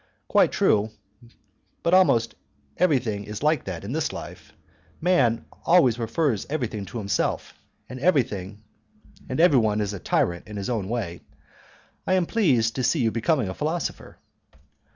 "Quite true; but almost everything is like that in this life. Man always refers everything to himself, and everyone is a tyrant in his own way. I am pleased to see you becoming a philosopher."